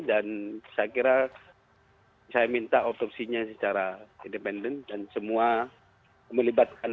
dan saya kira saya minta otopsinya secara independen dan semua melibatkan